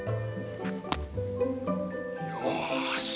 よし。